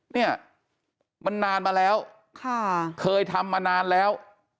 เนี่ยมันนานมาแล้วเคยทำมานานแล้ว